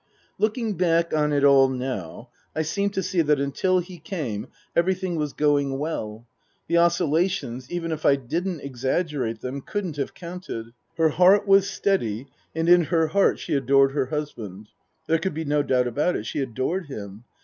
Looking back on it all now, I seem to see that until he came everything was going well. The oscillations, even if I didn't exaggerate them, couldn't have counted. Her heart was steady, and in her heart she adored her husband. There could be no doubt about it, she adored him.